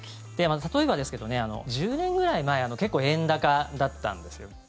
例えば、１０年ぐらい前結構、円高だったんですよ。